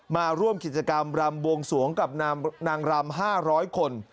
มาร่วมกิจกรรมรำบวงสวงกับนางรำ๕๐๐คน